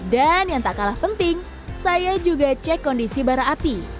dan yang tak kalah penting saya juga cek kondisi bara api